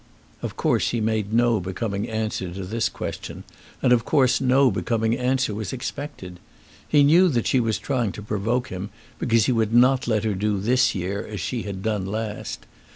Of course he made no becoming answer to this question, and of course no becoming answer was expected. He knew that she was trying to provoke him because he would not let her do this year as she had done last.